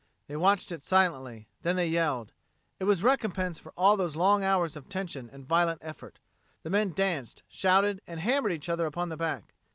They watched it silently; then they yelled. It was recompense for all those long hours of tension and violent effort. The men danced, shouted, and hammered each other upon the back.